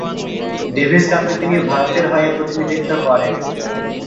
Davies কাপে তিনি ভারতের হয়ে প্রতিনিধিত্ব করেন।